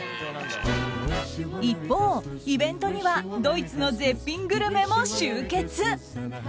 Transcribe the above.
一方、イベントにはドイツの絶品グルメも集結。